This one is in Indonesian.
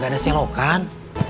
gak ada selokan